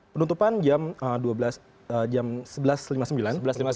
penutupan jam dua belas jam sebelas lima puluh sembilan